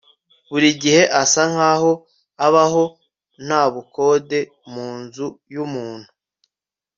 Buri gihe asa nkaho abaho nta bukode mu nzu yumuntu